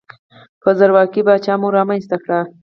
یو زورواکۍ پاچا مو رامنځته کړ.